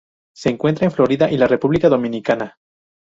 Se encuentra en Florida y la República Dominicana.